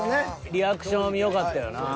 リアクションよかったよなぁ。